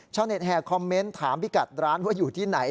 ช่องเน็ตแฮกคอมเมนต์ถามพี่กัดร้านว่าอยู่ที่ไหน